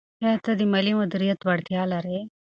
آیا ته د مالي مدیریت وړتیا لرې؟